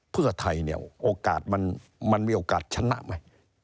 เพื่อไทยเนี่ยโอกาสมันมีโอกาสชนะไหม